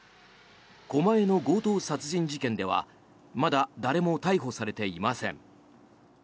狛江の強盗殺人事件ではまだ誰も逮捕されていません。